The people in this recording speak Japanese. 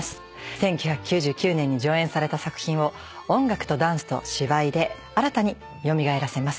１９９９年に上演された作品を音楽とダンスと芝居で新たに蘇らせます。